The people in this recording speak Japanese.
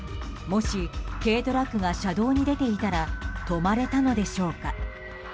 もし軽トラックが車道に出ていたら止まれたのでしょうか？